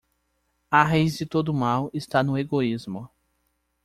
A raiz de todo mal está no egoísmo